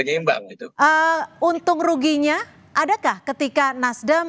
untung ruginya adakah ketika nasdem